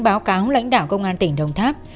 báo cáo lãnh đạo công an tp đông tháp